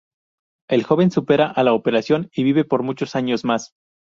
El joven supera a la operación y vive por muchos años más.